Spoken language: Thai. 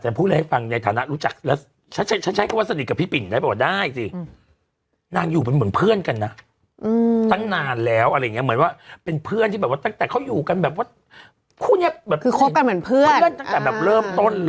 แต่พูดแล้วให้ฟังในฐานะรู้จักฉันใช้วัสดิกกับพี่ปิ่นคือได้